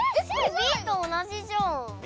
Ｂと同じじゃん。